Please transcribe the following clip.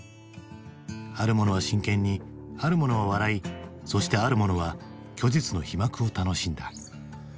ある者は真剣にある者は笑いそしてある者は虚実の皮膜を楽しんだ。